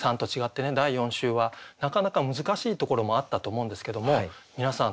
第４週はなかなか難しいところもあったと思うんですけども皆さん